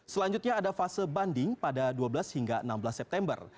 selanjutnya ada fase banding pada dua belas hingga enam belas september